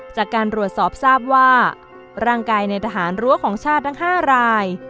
จากการรวดสอบทราบว่าร่างกายในทหารรั้วของชาติทั้ง๕ราย